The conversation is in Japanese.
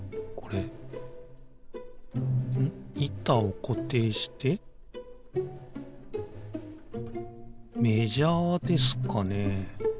いたをこていしてメジャーですかね？